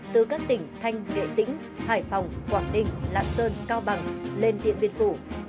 từ các tỉnh thanh vệ tĩnh hải phòng quảng ninh lạp sơn cao bằng lên điện biên phủ